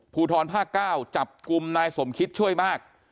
ภูทรภาค๙จับกลุ่มนายสมคิดช่วยมาก